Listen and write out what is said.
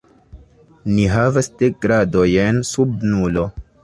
Ni havas dek gradojn sub nulo.